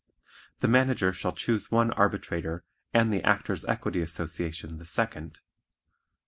The Manager shall choose one arbitrator and the Actors' Equity Association the second.